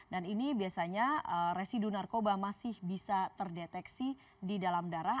dan ini biasanya residu narkoba masih bisa terdeteksi di dalam darah